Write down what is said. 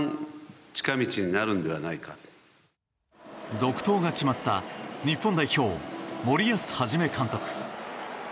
続投が決まった日本代表、森保一監督。